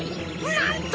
なんと！